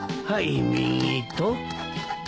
はい右と。